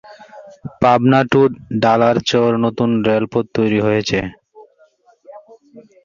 Pabna to Dhalarchar নতুন রেলপথ তৈরী হয়েছে।